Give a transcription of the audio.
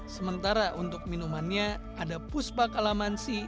sementara untuk minumannya ada puspa kalamansi